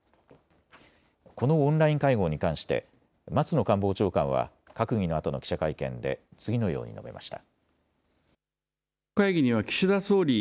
このオンライン会合に関して松野官房長官は閣議のあとの記者会見で次のように述べました。